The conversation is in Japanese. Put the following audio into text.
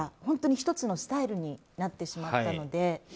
本当に１つのスタイルになってしまったので。